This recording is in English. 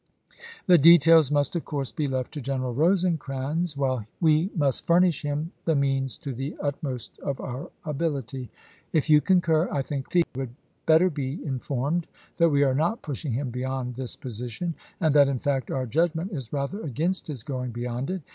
The details must, of course, be left to General Rosecrans, while we must furnish him the means to the utmost of our ability. If you concur, I think he would better be informed that we are not pushing him beyond this position ; and that, in fact, our judgment is rather against his going beyond it.